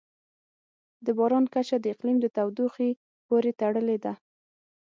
د باران کچه د اقلیم د تودوخې پورې تړلې ده.